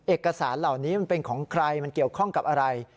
เอกสารเหล่านี้มันเป็นของใครมันเกี่ยวข้องกับอะไร